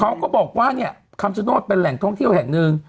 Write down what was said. เขาก็บอกว่าเนี่ยคำชโนธเป็นแหล่งท่องเที่ยวแห่งหนึ่ง